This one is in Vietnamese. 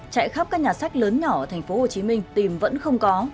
chạy khắp các nhà sách lớn nhỏ ở tp hcm tìm vẫn không có